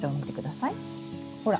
ほら。